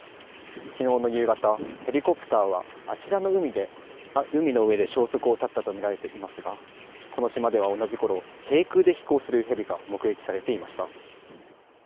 きのうの夕方、ヘリコプターはあちらの海の上で消息を絶ったと見られていますが、この島では同じころ、低空で飛行するヘリが目撃されていました。